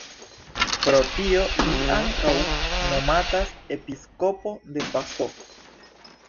Pro tio li ankaŭ nomatas "Episkopo de Passau".